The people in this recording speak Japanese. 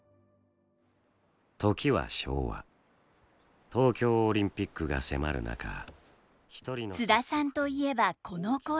時は昭和東京オリンピックが迫る中津田さんといえばこの声。